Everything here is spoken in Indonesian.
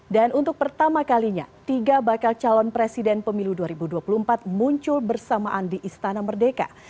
untuk pertama kalinya tiga bakal calon presiden pemilu dua ribu dua puluh empat muncul bersamaan di istana merdeka